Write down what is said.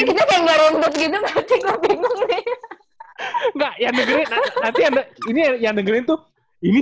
ini kita kayak gak rembek gitu gak bingung bingung nih